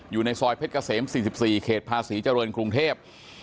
อยู่ในซอยเพชรเกษม๔๔เขตภาษีเจริญกรุงเทพ